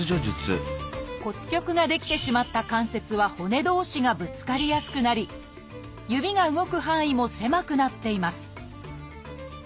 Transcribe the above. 骨棘が出来てしまった関節は骨同士がぶつかりやすくなり指が動く範囲も狭くなっています